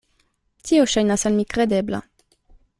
Tio ŝajnas al mi kredebla.